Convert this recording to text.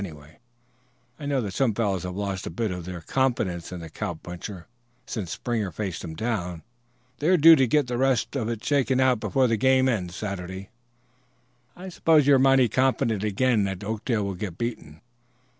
Anyway, I know that some fellows have lost a bit of their confidence in the cowpuncher since Springer faced him down; they're due to get the rest of it shaken out before the game ends Saturday." "I suppose you're mighty confident again that Oakdale will get beaten?"